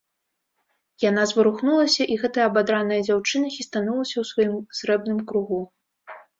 Яна зварухнулася, і гэтая абадраная дзяўчына хістанулася ў сваім срэбным кругу.